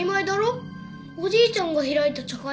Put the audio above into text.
おじいちゃんが開いた茶会なんだ。